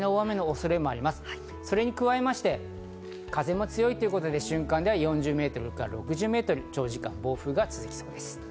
それに加えて風も強いということで瞬間で４０メートルから６０メートル、長時間暴風が続きそうです。